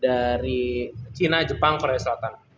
dari china jepang korea selatan